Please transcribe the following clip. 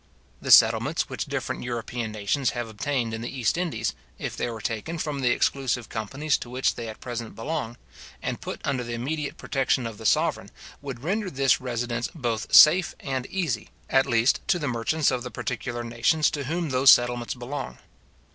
The settlements which different European nations have obtained in the East Indies, if they were taken from the exclusive companies to which they at present belong, and put under the immediate protection of the sovereign, would render this residence both safe and easy, at least to the merchants of the particular nations to whom those settlements belong.